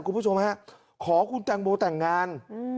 คุณผู้ชมฮะขอคุณแตงโมแต่งงาน